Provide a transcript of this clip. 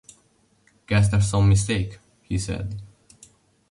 “Guess there’s some mistake,” he said.